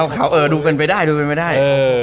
เขาดูเป็นไปได้